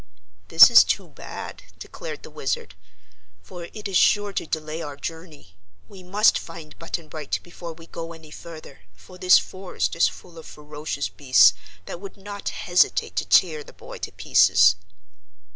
"This is too bad," declared the Wizard, "for it is sure to delay our journey. We must find Button Bright before we go any farther, for this forest is full of ferocious beasts that would not hesitate to tear the boy to pieces."